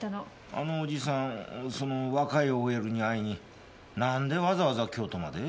あのおじさん若いＯＬに会いに何でわざわざ京都まで？